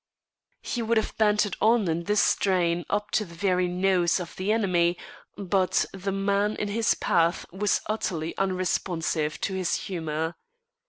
He would have bantered on in this strain up to the very nose of the enemy, but the man in his path was utterly unresponsive to his humour.